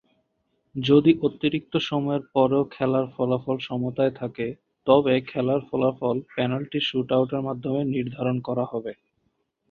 যদি অতিরিক্ত সময়ের পরেও খেলার ফলাফল সমতায় থাকে, তবে খেলার ফলাফল পেনাল্টি শুট-আউটের মাধ্যমে নির্ধারণ করা হবে।